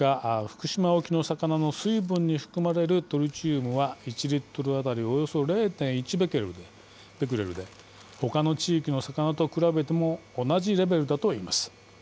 福島沖の魚の水分に含まれるトリチウムは１リットル当たりおよそ０．１ベクレルでほかの地域の魚と比べても同じレベルだといいます。